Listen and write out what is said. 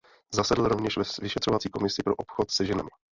Zasedl rovněž ve vyšetřovací komisi pro obchod se ženami.